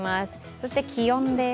そして気温です。